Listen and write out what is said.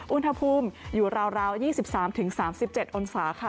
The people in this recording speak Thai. อุณหภูมิอยู่ราวยี่สิบสามถึงสามสิบเจ็ดอันสารค่ะ